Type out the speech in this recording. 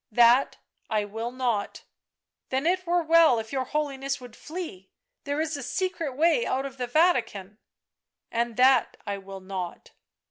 " That I will not." " Then it were well if your Holiness would flee; there is a secret way out of the Vatican "" And that I will not."